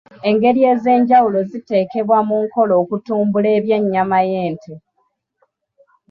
Engeri ez'enjawulo ziteekebwa mu nkola okutumbula eby'ennyama y'ente.